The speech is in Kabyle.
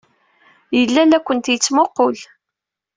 Yella la kent-yettmuqqul.